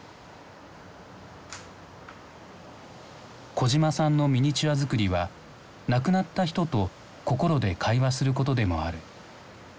小島さんのミニチュア作りは亡くなった人と心で会話することでもある。